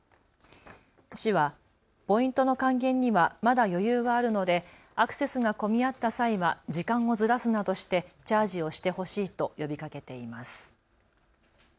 市はポイントの還元にはまだ余裕はあるのでアクセスが混み合った際は時間をずらすなどしてチャージをしてほしいと呼びかけています。